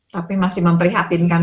tapi masih memprihatinkan